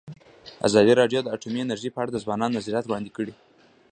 ازادي راډیو د اټومي انرژي په اړه د ځوانانو نظریات وړاندې کړي.